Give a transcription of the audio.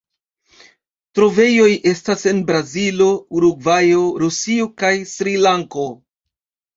Trovejoj estas en Brazilo, Urugvajo, Rusio kaj Srilanko.